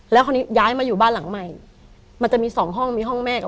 แล้วคราวนี้ย้ายมาอยู่บ้านหลังใหม่